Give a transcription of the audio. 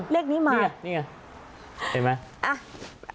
เลขนี้มานี่ไงเห็นไหม